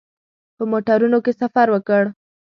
په موټرونو کې سفر وکړ.